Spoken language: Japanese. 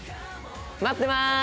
待ってます！